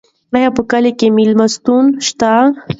ایا په کلي کې مېلمستون شته؟